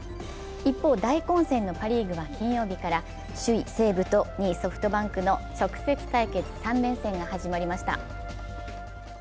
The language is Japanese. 一方、大混戦のパ・リーグは金曜日から首位・西武と２位・ソフトバンクの直接対決３連戦が始まりました。